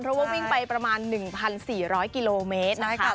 เพราะว่ามิ่งไปประมาณ๑๔๐๐กิโลเมตร